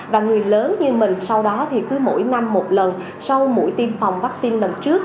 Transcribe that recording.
và người lớn như mình sau đó thì cứ mỗi năm một lần sau mũi tiêm phòng vaccine lần trước